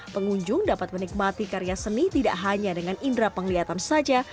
pengunjung dapat menikmati karya seni tidak hanya dengan indera penglihatan saja